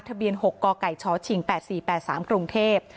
ทะเบียน๖กกชชิง๘๔๘๓กรุงเทพฯ